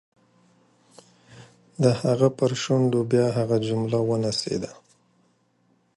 د هغه پر شونډو بیا هغه جمله ونڅېده.